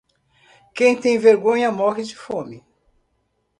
Quem tem vergonha morre de fome.